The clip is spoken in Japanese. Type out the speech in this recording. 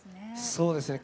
そうですね。